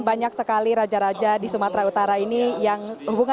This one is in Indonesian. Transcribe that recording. banyak sekali raja raja di sumatera utara yang diberikan kado